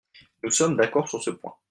Nous sommes d’accord sur ce point.